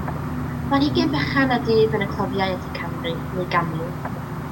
Planhigyn bychan a dyf yn y cloddiau ydy camri, neu gamil.